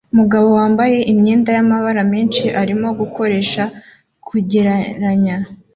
Umugabo wambaye imyenda yamabara menshi arimo gukoresha kugereranya